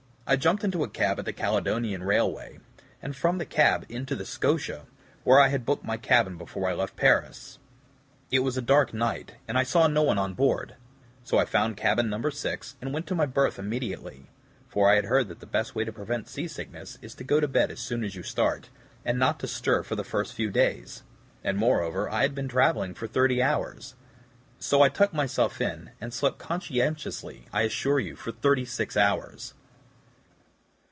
I jumped into a cab at the Caledonian Railway, and from the cab into the SCOTIA, where I had booked my cabin before I left Paris. It was a dark night, and I saw no one on board, so I found cabin No. 6, and went to my berth immediately, for I had heard that the best way to prevent sea sickness is to go to bed as soon as you start, and not to stir for the first few days; and, moreover, I had been traveling for thirty hours. So I tucked myself in, and slept conscientiously, I assure you, for thirty six hours."